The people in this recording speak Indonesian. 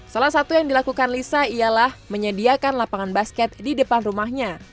salah satu yang dilakukan lisa ialah menyediakan lapangan basket di depan rumahnya